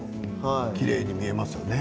きれいに見えますよね